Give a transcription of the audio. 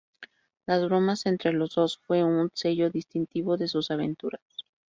Las bromas entre los dos fue un sello distintivo de sus aventuras.